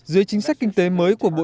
dưới chính sách kinh tế mới của quốc gia